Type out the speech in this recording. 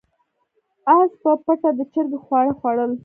اس په پټه د چرګې خواړه خوړل.